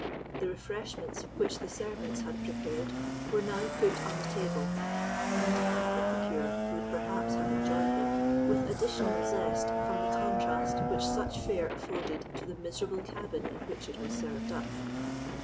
The refreshments which the servants had prepared were now put on the table, and an epicure would perhaps have enjoyed them with additional zest from the contrast which such fare afforded to the miserable cabin in which it was served up.